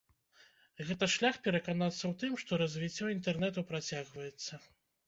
Гэта шлях пераканацца ў тым, што развіццё інтэрнэту працягваецца.